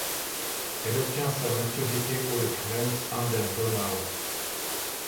Elle obtient sa maturité au de Krems an der Donau.